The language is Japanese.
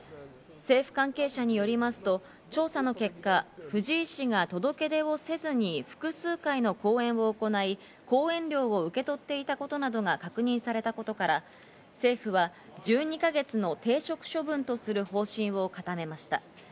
政府関係者によりますと、調査の結果、藤井氏が届け出をせずに複数回の講演を行い講演料を受け取っていたことなどが確認されたことから、政府は１２か月の停職処分とする方針を固めました。